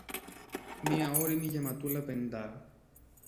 Μια ώριμη γεματούλα πενηντάρα